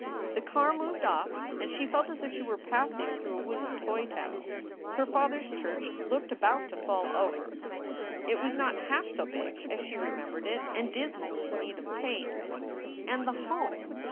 The car moved off and she felt as if she were passing through a wooden toy town. Her father s church looked about to fall over. It was not half so big as she remembered it, and dismally in need of paint. And the home!